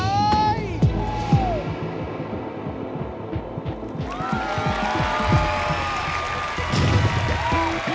คนเล่นเยอะอาจจะดูเป็นคนเจ้าชู้